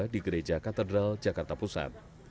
di gereja katedral jakarta pusat